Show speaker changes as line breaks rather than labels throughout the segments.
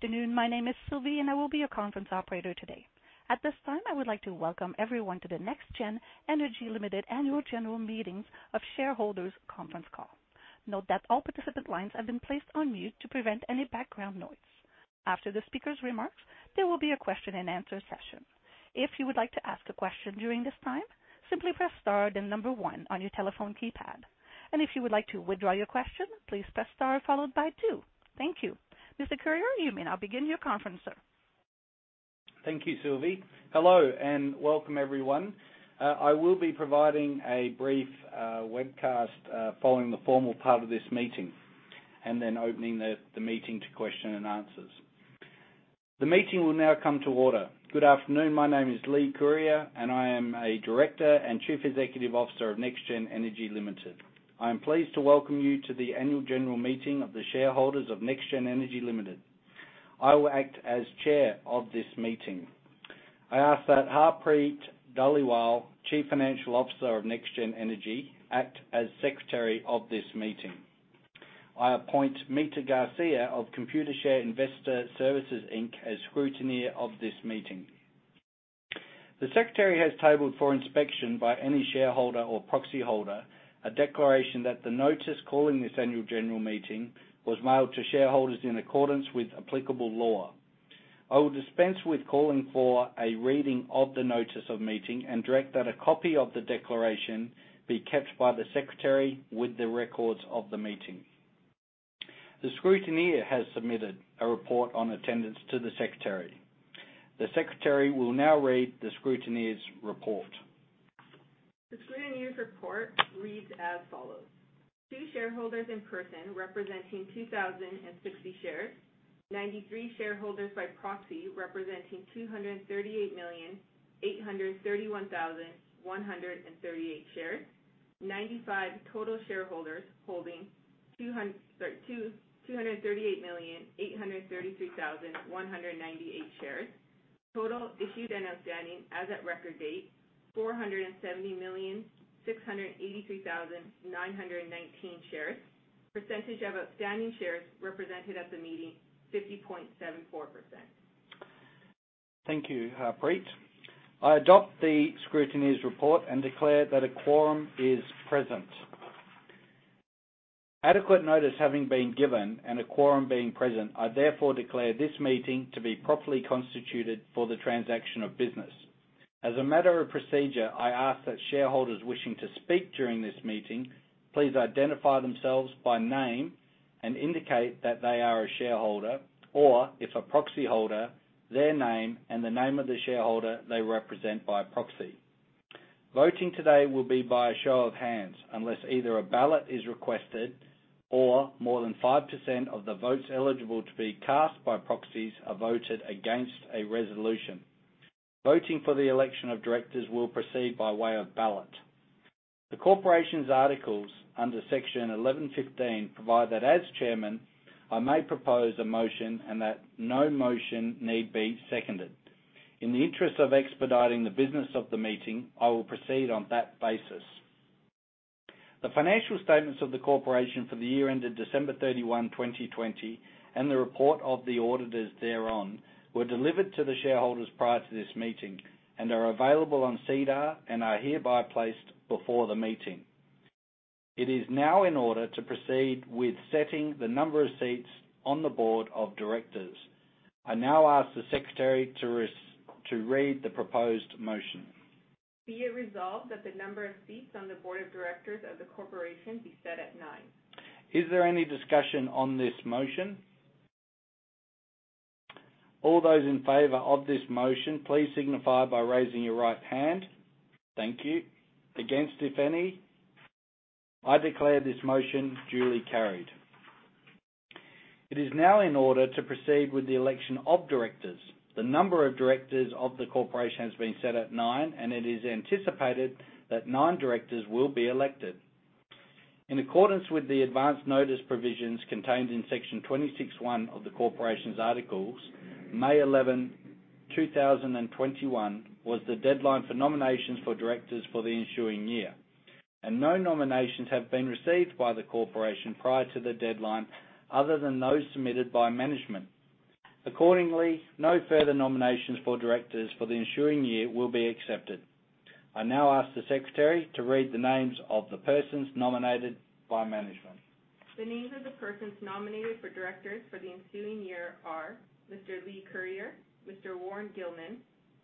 Good afternoon. My name is Sylvie, and I will be your conference operator today. At the start, I would like to welcome everyone to the NexGen Energy Ltd. Annual General Meeting of Shareholders Conference Call. Note that all participant lines have been placed on mute to prevent any background noise. After the speaker's remarks, there will be a question-and-answer session. If you would like to ask a question during this time, simply press star then number one on your telephone keypad. If you would like to withdraw your question, please press star followed by two. Thank you. Leigh Curyer, you may now begin your conference, sir.
Thank you, Sylvie. Hello, welcome everyone. I will be providing a brief webcast following the formal part of this meeting, opening the meeting to question and answers. The meeting will now come to order. Good afternoon. My name is Leigh Curyer, I am a Director and Chief Executive Officer of NexGen Energy Ltd. I'm pleased to welcome you to the Annual General Meeting of the shareholders of NexGen Energy Ltd. I will act as chair of this meeting. I ask that Harpreet Dhaliwal, Chief Financial Officer of NexGen Energy, act as secretary of this meeting. I appoint Mita Garcia of Computershare Investor Services Inc. as scrutineer of this meeting. The secretary has tabled for inspection by any shareholder or proxyholder a declaration that the notice calling this annual general meeting was mailed to shareholders in accordance with applicable law. I will dispense with calling for a reading of the notice of meeting and direct that a copy of the declaration be kept by the secretary with the records of the meeting. The scrutineer has submitted a report on attendance to the secretary. The secretary will now read the scrutineer's report.
The scrutineer's report reads as follows. Two shareholders in person representing 2,060 shares. 93 shareholders by proxy representing 238,831,138 shares. 95 total shareholders holding 238,832,198 shares. Total issued and outstanding as at record date, 470,683,919 shares. Percentage of outstanding shares represented at the meeting, 50.74%.
Thank you, Harpreet. I adopt the scrutineer's report and declare that a quorum is present. Adequate notice having been given and a quorum being present, I therefore declare this meeting to be properly constituted for the transaction of business. As a matter of procedure, I ask that shareholders wishing to speak during this meeting please identify themselves by name and indicate that they are a shareholder or, if a proxyholder, their name and the name of the shareholder they represent by proxy. Voting today will be by a show of hands, unless either a ballot is requested or more than 5% of the votes eligible to be cast by proxies are voted against a resolution. Voting for the election of directors will proceed by way of ballot. The corporation's articles under Section 11.15 provide that as chairman, I may propose a motion and that no motion need be seconded. In the interest of expediting the business of the meeting, I will proceed on that basis. The financial statements of the corporation for the year ended December 31, 2020, and the report of the auditors thereon were delivered to the shareholders prior to this meeting and are available on SEDAR and are hereby placed before the meeting. It is now in order to proceed with setting the number of seats on the board of directors. I now ask the secretary to read the proposed motion.
Be it resolved that the number of seats on the board of directors of the corporation be set at nine.
Is there any discussion on this motion? All those in favor of this motion, please signify by raising your right hand. Thank you. Against, if any? I declare this motion duly carried. It is now in order to proceed with the election of directors. The number of directors of the corporation has been set at nine, and it is anticipated that nine directors will be elected. In accordance with the advance notice provisions contained in Section 26(1) of the corporation's articles, May 11, 2021, was the deadline for nominations for directors for the ensuing year, and no nominations have been received by the corporation prior to the deadline other than those submitted by management. Accordingly, no further nominations for directors for the ensuing year will be accepted. I now ask the secretary to read the names of the persons nominated by management.
The names of the persons nominated for directors for the ensuing year are Mr. Leigh Curyer, Mr. Warren Gilman,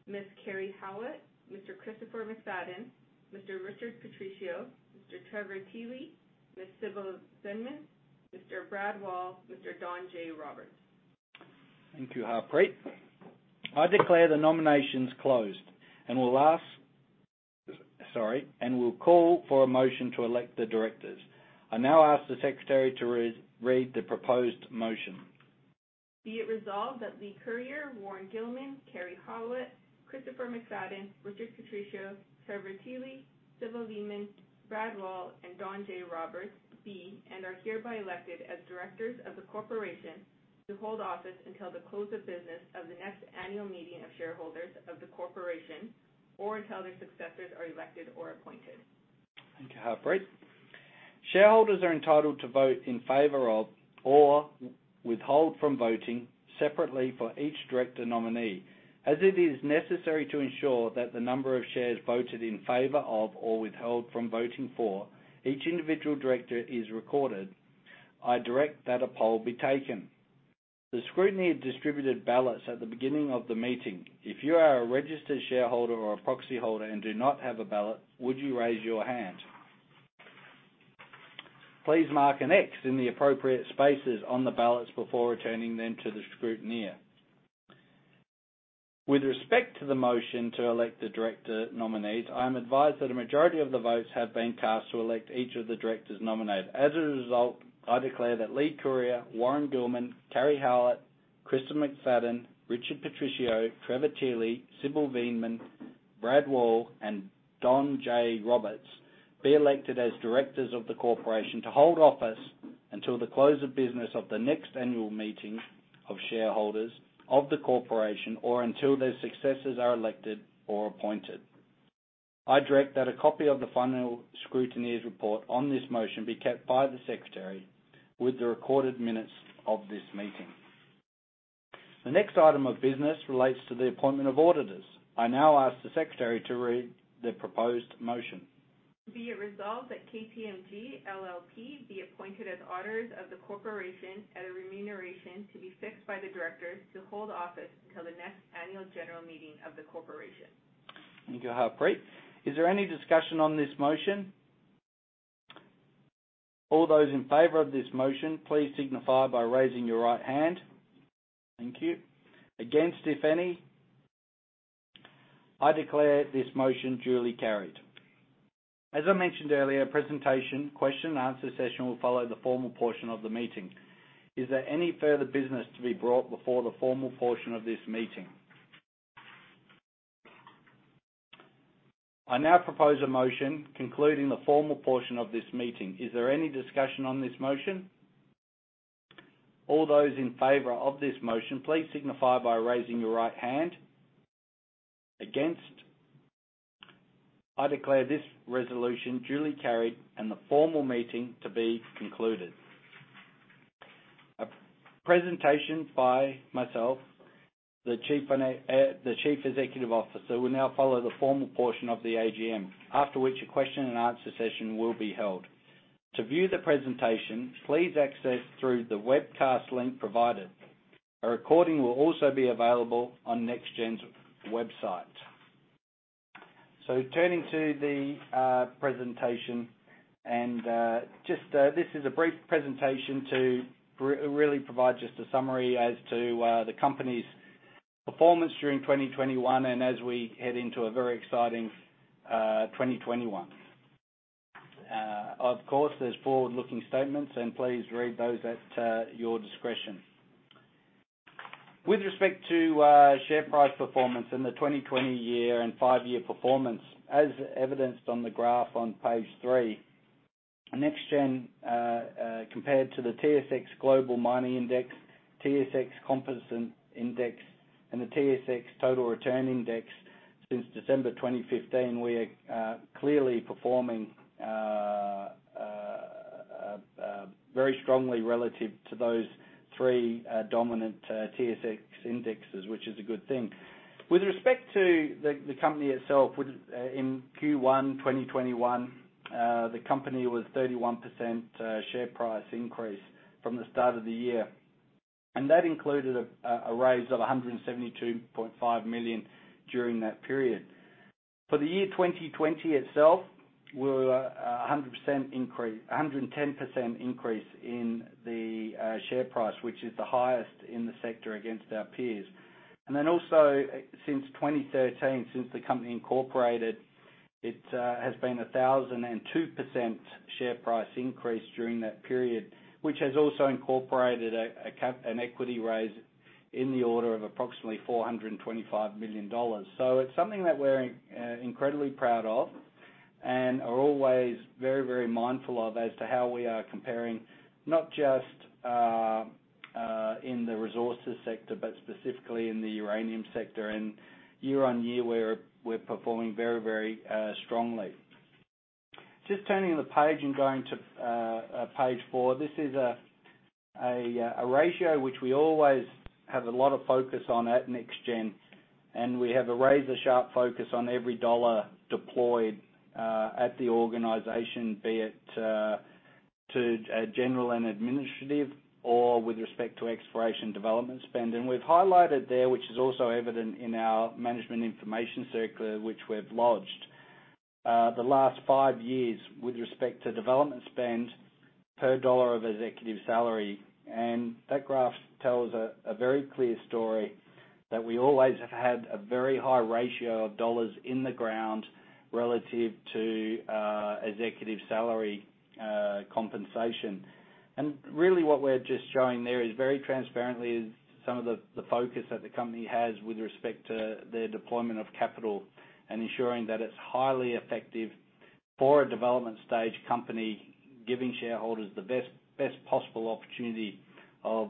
Ms. Karri Howlett, Mr. Christopher McFadden, Mr. Richard Patricio, Mr. Trevor Thiele, Ms. Sybil Veenman, Mr. Brad Wall, Mr. Don J. Roberts.
Thank you, Harpreet. I declare the nominations closed and will call for a motion to elect the directors. I now ask the secretary to read the proposed motion.
Be it resolved that Leigh Curyer, Warren Gilman, Karri Howlett, Christopher McFadden, Richard Patricio, Trevor Thiele, Sybil Veenman, Brad Wall, and Don J. Roberts be, and are hereby elected as directors of the corporation to hold office until the close of business of the next annual meeting of shareholders of the corporation or until their successors are elected or appointed.
Thank you, Harpreet. Shareholders are entitled to vote in favor of or withhold from voting separately for each director nominee as it is necessary to ensure that the number of shares voted in favor of or withheld from voting for each individual director is recorded. I direct that a poll be taken. The scrutineer distributed ballots at the beginning of the meeting. If you are a registered shareholder or proxy holder and do not have a ballot, would you raise your hand? Please mark an X in the appropriate spaces on the ballots before returning them to the scrutineer. With respect to the motion to elect the director nominees, I'm advised that a majority of the votes have been cast to elect each of the directors nominated. As a result, I declare that Leigh Curyer, Warren Gilman, Karri Howlett, Christopher McFadden, Richard Patricio, Trevor Thiele, Sybil Veenman, Brad Wall, and Don J. Roberts be elected as directors of the corporation to hold office until the close of business of the next annual meeting of shareholders of the corporation or until their successors are elected or appointed. I direct that a copy of the final scrutineer's report on this motion be kept by the Secretary with the recorded minutes of this meeting. The next item of business relates to the appointment of auditors. I now ask the Secretary to read the proposed motion.
Be it resolved that KPMG LLP be appointed as auditors of the corporation at a remuneration to be fixed by the directors to hold office until the next Annual General Meeting of the corporation.
Thank you, Harpreet. Is there any discussion on this motion? All those in favor of this motion, please signify by raising your right hand. Thank you. Against, if any. I declare this motion duly carried. As I mentioned earlier, a presentation question and answer session will follow the formal portion of the meeting. Is there any further business to be brought before the formal portion of this meeting? I now propose a motion concluding the formal portion of this meeting. Is there any discussion on this motion? All those in favor of this motion, please signify by raising your right hand. Against. I declare this resolution duly carried and the formal meeting to be concluded. A presentation by myself, the Chief Executive Officer, will now follow the formal portion of the AGM, after which a question and answer session will be held. To view the presentation, please access through the webcast link provided. A recording will also be available on NexGen's website. Turning to the presentation, this is a brief presentation to really provide just a summary as to the company's performance during 2021 and as we head into a very exciting 2021. Of course, there's forward-looking statements. Please read those at your discretion. With respect to share price performance in the 2020 year and five-year performance, as evidenced on the graph on page three, NexGen, compared to the S&P/TSX Global Mining Index, S&P/TSX Composite Index, and the S&P/TSX Composite Total Return Index since December 2015, we are clearly performing very strongly relative to those three dominant TSX indexes, which is a good thing. With respect to the company itself, in Q1 2021, the company was 31% share price increase from the start of the year. That included a raise of 172.5 million during that period. For the year 2020 itself, we were at 110% increase in the share price, which is the highest in the sector against our peers. Since 2013, since the company incorporated, it has been 1,002% share price increase during that period which has also incorporated an equity raise in the order of approximately 425 million dollars. It's something that we're incredibly proud of and are always very, very mindful of as to how we are comparing not just in the resources sector, but specifically in the uranium sector and year-on-year, we're performing very, very strongly. Just turning the page and going to page four. This is a ratio which we always have a lot of focus on at NexGen, and we have a razor-sharp focus on every dollar deployed at the organization, be it to general and administrative or with respect to exploration development spend. We've highlighted there, which is also evident in our management information circular, which we've lodged, the last five years with respect to development spend per dollar of executive salary. That graph tells a very clear story that we always have had a very high ratio of dollars in the ground relative to executive salary compensation. Really what we're just showing there is very transparently some of the focus that the company has with respect to their deployment of capital and ensuring that it's highly effective for a development stage company, giving shareholders the best possible opportunity of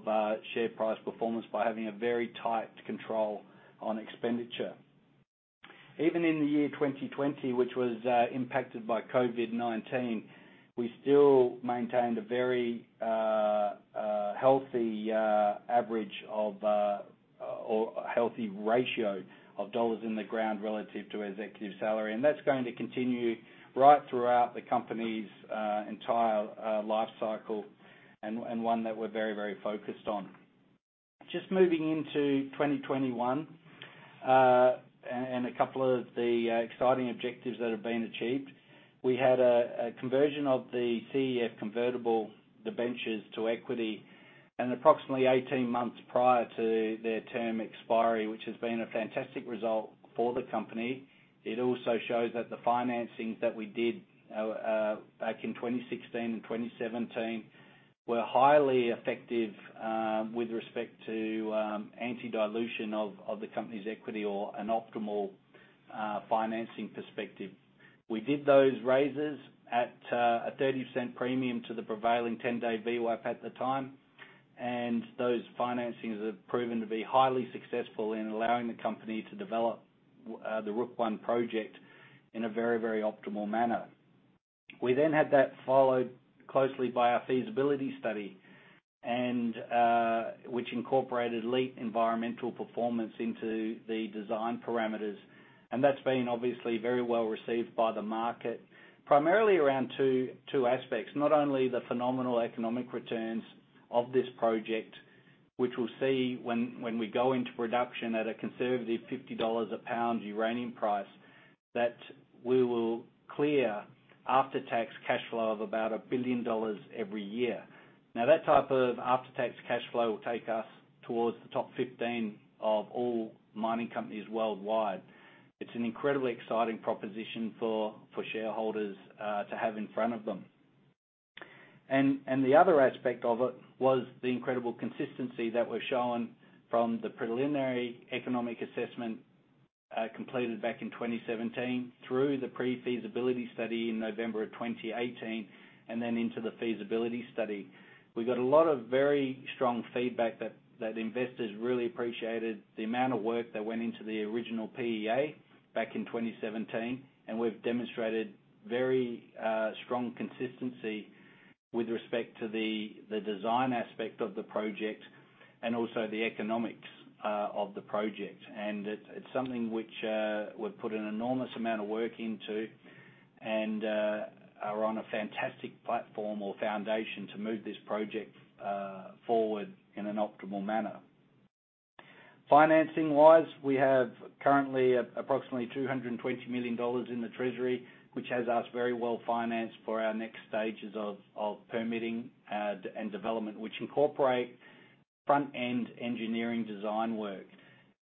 share price performance by having a very tight control on expenditure. Even in the year 2020, which was impacted by COVID-19, we still maintained a very healthy ratio of dollars in the ground relative to executive salary. That's going to continue right throughout the company's entire life cycle, and one that we're very focused on. Just moving into 2021, and a couple of the exciting objectives that have been achieved. We had a conversion of the CEF convertible debentures to equity and approximately 18 months prior to their term expiry, which has been a fantastic result for the company. It also shows that the financings that we did back in 2016 and 2017 were highly effective with respect to anti-dilution of the company's equity or an optimal financing perspective. We did those raises at a 30% premium to the prevailing 10-day VWAP at the time, and those financings have proven to be highly successful in allowing the company to develop the Rook I project in a very optimal manner. We had that followed closely by our feasibility study, which incorporated elite environmental performance into the design parameters, and that's been obviously very well received by the market, primarily around two aspects. Not only the phenomenal economic returns of this project, which we'll see when we go into production at a conservative 50 dollars a pound uranium price, that we will clear after-tax cash flow of about 1 billion dollars every year. That type of after-tax cash flow will take us towards the top 15 of all mining companies worldwide. It's an incredibly exciting proposition for shareholders to have in front of them. The other aspect of it was the incredible consistency that was shown from the preliminary economic assessment completed back in 2017, through the pre-feasibility study in November of 2018, then into the feasibility study. We got a lot of very strong feedback that investors really appreciated the amount of work that went into the original PEA back in 2017, and we've demonstrated very strong consistency with respect to the design aspect of the project and also the economics of the project. It's something which we've put an enormous amount of work into and are on a fantastic platform or foundation to move this project forward in an optimal manner. Financing-wise, we have currently approximately 220 million dollars in the treasury, which has us very well-financed for our next stages of permitting and development, which incorporate front-end engineering design work.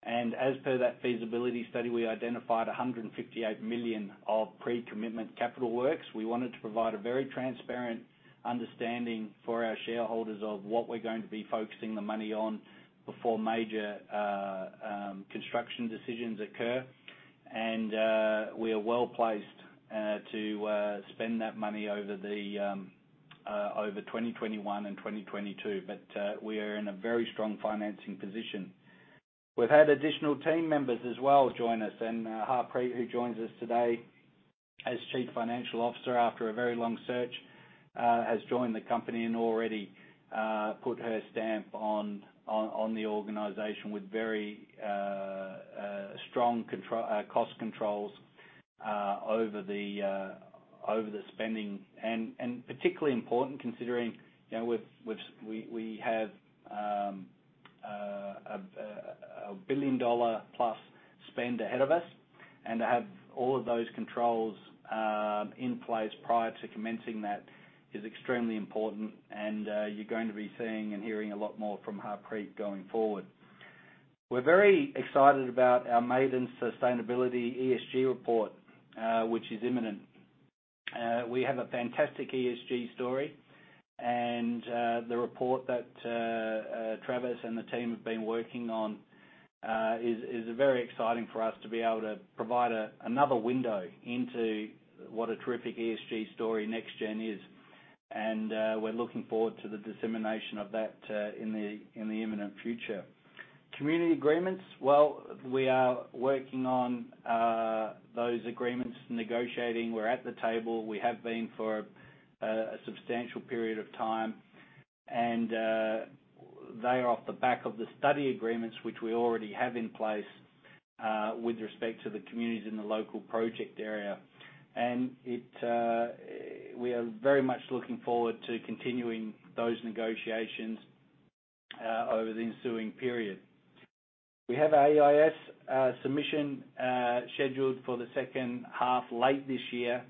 As per that feasibility study, we identified 158 million of pre-commitment capital works. We wanted to provide a very transparent understanding for our shareholders of what we're going to be focusing the money on before major construction decisions occur. We are well-placed to spend that money over 2021 and 2022. We are in a very strong financing position. We've had additional team members as well join us, Harpreet, who joins us today as Chief Financial Officer after a very long search, has joined the company and already put her stamp on the organization with very strong cost controls over the spending. Particularly important considering we have CAD 1 billion+ spend ahead of us, and to have all of those controls in place prior to commencing that is extremely important, and you're going to be seeing and hearing a lot more from Harpreet going forward. We're very excited about our maiden sustainability ESG report, which is imminent. We have a fantastic ESG story. The report that Travis and the team have been working on is very exciting for us to be able to provide another window into what a terrific ESG story NexGen is. We're looking forward to the dissemination of that in the imminent future. Community agreements, well, we are working on those agreements, negotiating. We're at the table. We have been for a substantial period of time, they're off the back of the study agreements, which we already have in place with respect to the communities in the local project area. We are very much looking forward to continuing those negotiations over the ensuing period. We have EIS submission scheduled for the second half, late this year,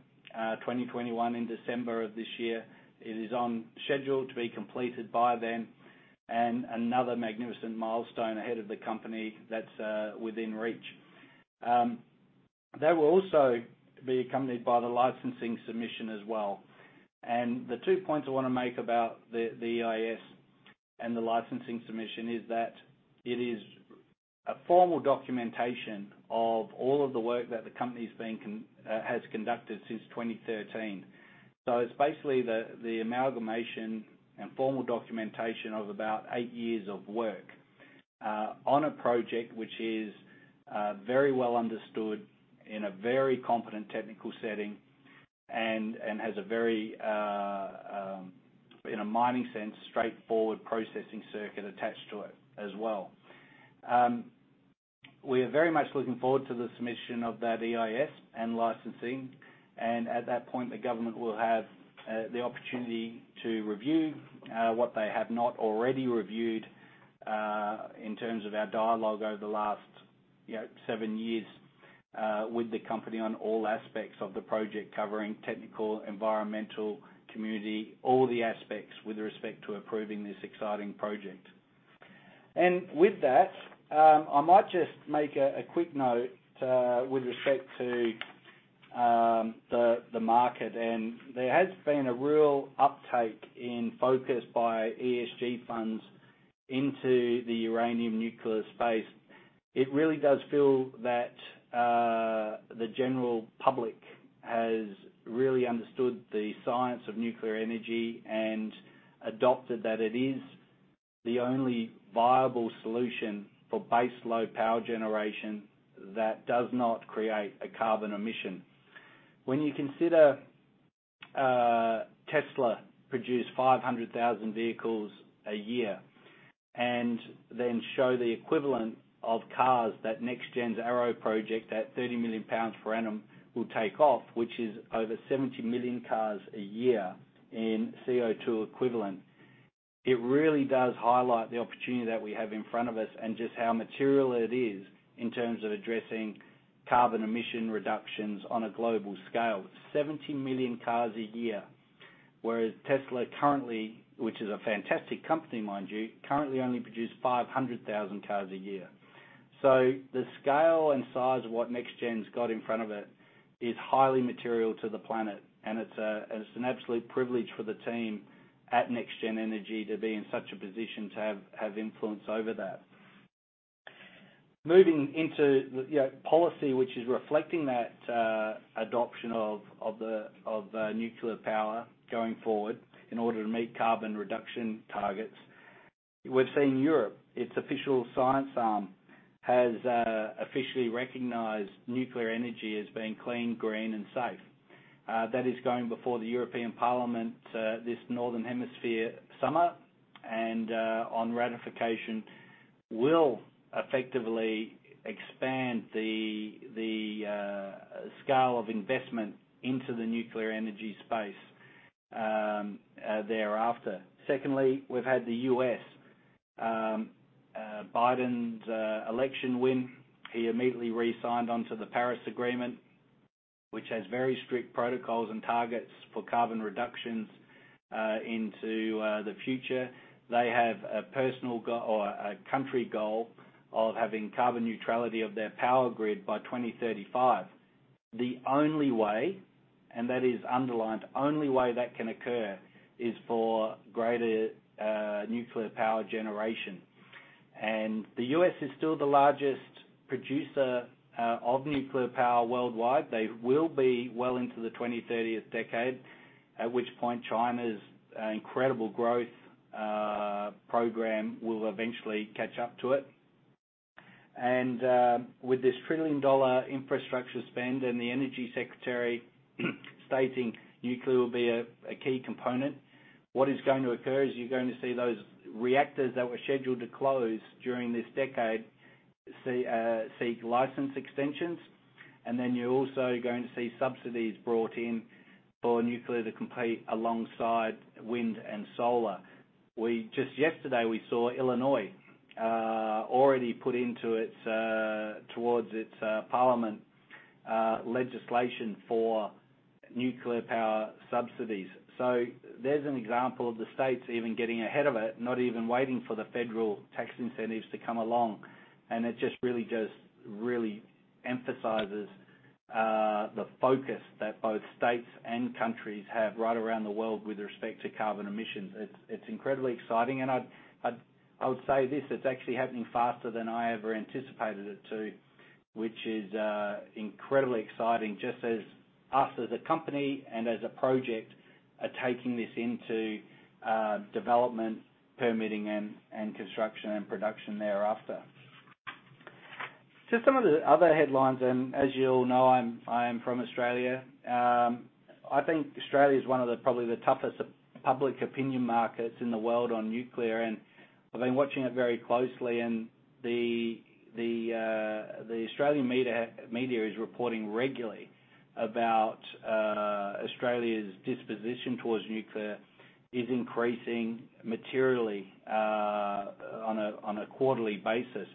2021, in December of this year. It is on schedule to be completed by then, and another magnificent milestone ahead of the company that's within reach. That will also be accompanied by the licensing submission as well. The two points I want to make about the EIS and the licensing submission is that it is a formal documentation of all of the work that the company has conducted since 2013. It's basically the amalgamation and formal documentation of about eight years of work on a project which is very well understood in a very competent technical setting and has a very, in a mining sense, straightforward processing circuit attached to it as well. We are very much looking forward to the submission of that EIS and licensing, and at that point, the government will have the opportunity to review what they have not already reviewed in terms of our dialogue over the last seven years with the company on all aspects of the project, covering technical, environmental, community, all the aspects with respect to approving this exciting project. With that, I might just make a quick note with respect to the market. There has been a real uptake in focus by ESG funds into the uranium nuclear space. It really does feel that the general public has really understood the science of nuclear energy and adopted that it is the only viable solution for base load power generation that does not create a carbon emission. When you consider Tesla produced 500,000 vehicles a year and then show the equivalent of cars that NexGen's Rook I project, that 30 million pounds per annum will take off, which is over 70 million cars a year in CO2 equivalent. It really does highlight the opportunity that we have in front of us and just how material it is in terms of addressing carbon emission reductions on a global scale. It's 70 million cars a year, whereas Tesla currently, which is a fantastic company, mind you, currently only produce 500,000 cars a year. The scale and size of what NexGen's got in front of it is highly material to the planet, and it's an absolute privilege for the team at NexGen Energy to be in such a position to have influence over that. Moving into policy, which is reflecting that adoption of nuclear power going forward in order to meet carbon reduction targets. We're seeing Europe, its official science arm has officially recognized nuclear energy as being clean, green, and safe. That is going before the European Parliament this northern hemisphere summer, and on ratification will effectively expand the scale of investment into the nuclear energy space thereafter. Secondly, we've had the U.S. Biden's election win, he immediately re-signed onto the Paris Agreement, which has very strict protocols and targets for carbon reductions into the future. They have a country goal of having carbon neutrality of their power grid by 2035. The only way, and that is underlined, only way that can occur is for greater nuclear power generation. The U.S. is still the largest producer of nuclear power worldwide. They will be well into the 2030th decade, at which point China's incredible growth program will eventually catch up to it. With this trillion-dollar infrastructure spend and the energy secretary stating nuclear will be a key component, what is going to occur is you're going to see those reactors that were scheduled to close during this decade seek license extensions, and then you're also going to see subsidies brought in for nuclear to compete alongside wind and solar. Just yesterday, we saw Illinois already put towards its parliament legislation for nuclear power subsidies. There's an example of the states even getting ahead of it, not even waiting for the federal tax incentives to come along. It just really emphasizes the focus that both states and countries have right around the world with respect to carbon emissions. It's incredibly exciting, and I would say this, it's actually happening faster than I ever anticipated it to, which is incredibly exciting just as us as a company and as a project are taking this into development, permitting and construction and production thereafter. Just some of the other headlines, and as you all know, I am from Australia. I think Australia is one of probably the toughest public opinion markets in the world on nuclear, and I've been watching it very closely, and the Australian media is reporting regularly about Australia's disposition towards nuclear is increasing materially on a quarterly basis.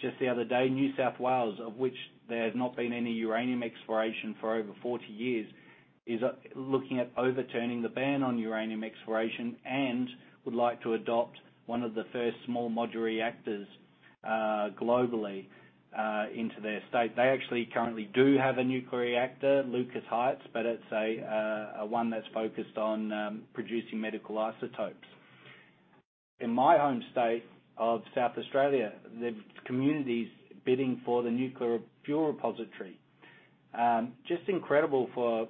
Just the other day, New South Wales, of which there has not been any uranium exploration for over 40 years, is looking at overturning the ban on uranium exploration and would like to adopt one of the first small modular reactors globally into their state. They actually currently do have a nuclear reactor, Lucas Heights, but it's one that's focused on producing medical isotopes. In my home state of South Australia, there's communities bidding for the nuclear fuel repository. Just incredible for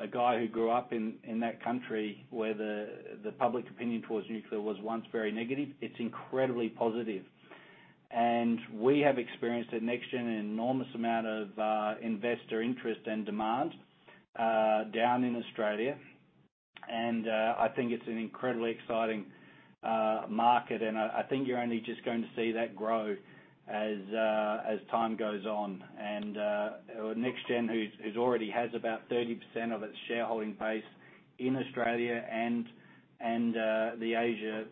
a guy who grew up in that country where the public opinion towards nuclear was once very negative. It's incredibly positive. We have experienced at NexGen an enormous amount of investor interest and demand down in Australia. I think it's an incredibly exciting market and I think you're only just going to see that grow as time goes on. NexGen who already has about 30% of its shareholding base in Australia and the Asia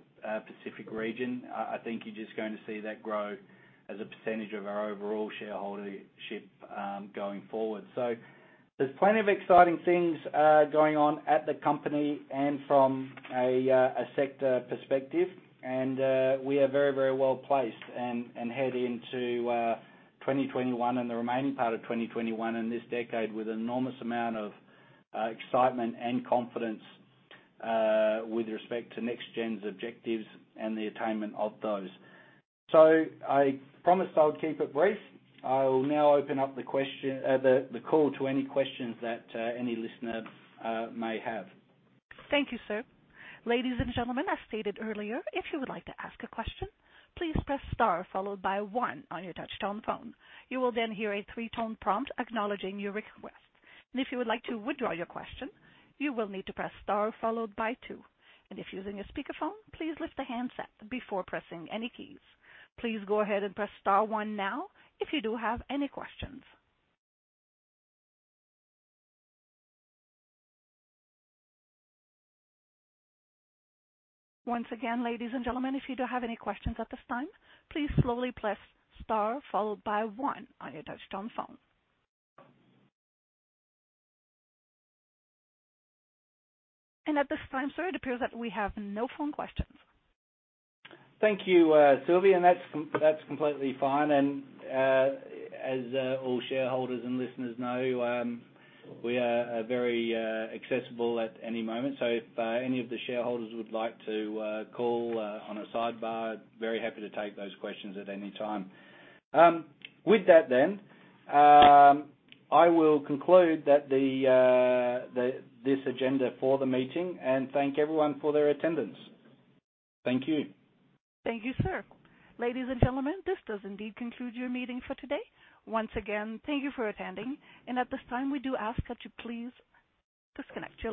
Pacific region, I think you're just going to see that grow as a percentage of our overall share ownership going forward. There's plenty of exciting things going on at the company and from a sector perspective. We are very well-placed and heading into 2021 and the remaining part of 2021 and this decade with an enormous amount of excitement and confidence with respect to NexGen's objectives and the attainment of those. I promised I would keep it brief. I will now open up the call to any questions that any listener may have.
Thank you, sir. Ladies and gentlemen, as stated earlier, if you would like to ask a question, please press star followed by one on your touch-tone phone. You will then hear a three-tone prompt acknowledging your request. If you would like to withdraw your question, you will need to press star followed by two. If using a speakerphone, please lift the handset before pressing any keys. Please go ahead and press star one now if you do have any questions. Once again, ladies and gentlemen, if you do have any questions at this time, please slowly press star followed by one on your touch-tone phone. At this time, sir, it appears that we have no phone questions.
Thank you, Sylvie. That's completely fine. As all shareholders and listeners know, we are very accessible at any moment. If any of the shareholders would like to call on a sidebar, very happy to take those questions at any time. With that, I will conclude this agenda for the meeting and thank everyone for their attendance. Thank you.
Thank you, sir. Ladies and gentlemen, this does indeed conclude your meeting for today. Once again, thank you for attending. At this time, we do ask that you please disconnect.